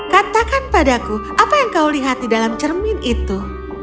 katakan padaku apa yang kau lihat di dalam cermin itu